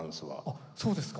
あっそうですか。